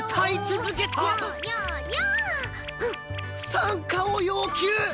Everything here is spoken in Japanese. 参加を要求！？